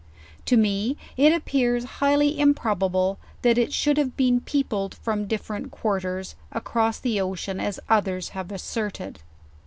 To me it appears highly improbable, that it should have been peopled from different quarters, across the ocean, as ethers have asserted.